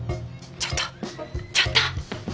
ちょっとちょっと！